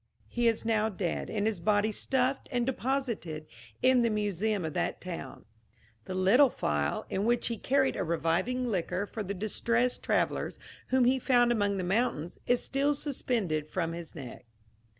He is now dead, and his body stuffed and deposited in the museum of that town. The little phial, in which he carried a reviving liquor for the distressed travellers whom he found among the mountains, is still suspended from his neck.